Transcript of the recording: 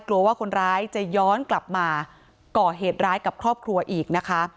กลัวว่าคนร้ายจะย้อนกลับมาก่อเหตุร้ายกับครอบครัวอีกนะคะ